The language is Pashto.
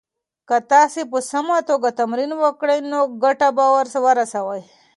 که تاسي په سمه توګه تمرین وکړئ نو ګټه به ورسوي.